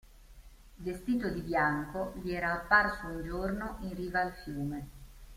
Vestito di bianco, gli era apparso un giorno in riva al fiume.